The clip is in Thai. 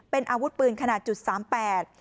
เป็นอาวุธปืนขนาดจุดสามแปด